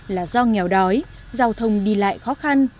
là do nghèo đói giao thông đi lại khó khăn